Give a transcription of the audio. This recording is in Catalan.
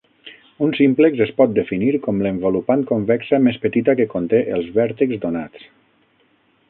Un símplex es pot definir com l'envolupant convexa més petita que conté els vèrtexs donats.